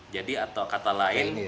jadi atau kata lain